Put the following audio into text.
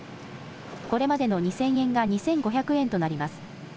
これまでの２０００円が２５００円となります。